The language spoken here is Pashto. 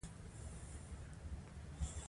سلمه پوښتنه د کمیسیون د غړو اوصاف دي.